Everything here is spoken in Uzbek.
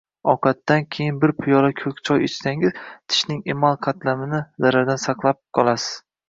Ovqatdan keyin bir piyola ko‘k choy ichsangiz, tishning emal qatlamini zarardan saqlab qolasiz.